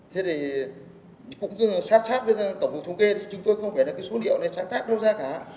thế thì cũng cứ sát với tổng cục thống kê thì chúng tôi không phải là cái số liệu này sáng tác đâu ra cả